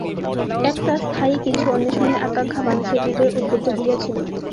একটা স্থায়ী কিছু অন্বেষণের আকাঙ্ক্ষা মানুষের হৃদয়ে উদ্বুদ্ধ হইয়াছিল।